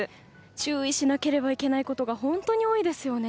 注意しなければいけないことが本当に多いですよね。